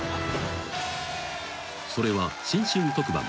［それは『新春特番！